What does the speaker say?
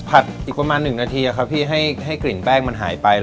อีกประมาณ๑นาทีครับพี่ให้กลิ่นแป้งมันหายไป